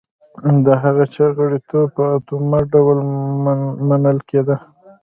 د هغه چا غړیتوب په اتومات ډول منل کېده.